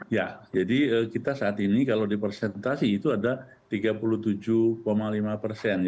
ya jadi kita saat ini kalau di persentase itu ada tiga puluh tujuh lima persen